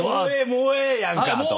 「もうええやんか」と。